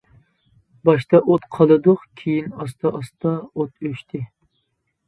باشتا ئوت قالىدۇق، كېيىن ئاستا-ئاستا ئوت ئۆچتى.